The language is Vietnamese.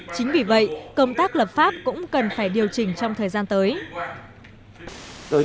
chính vì vậy công tác lập pháp cũng cần phải điều chỉnh trong thời gian tới